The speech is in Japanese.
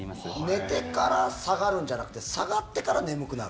寝てから下がるんじゃなくて下がってから眠くなる。